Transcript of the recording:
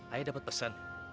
ayah dapat pesan